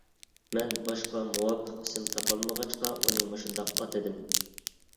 مەن باشقا مۇۋاپىق ئىسىم تاپالمىغاچقا ئۇنى مۇشۇنداق ئاتىدىم.